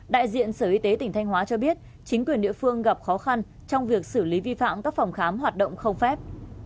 đại diện sở y tế tỉnh thanh hóa cho biết chính quyền địa phương gặp khó khăn trong việc xử lý vi phạm các phòng khám hoạt động không phép